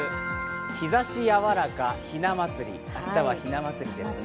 日ざしやわらかひなまつり、明日はひなまつりですね。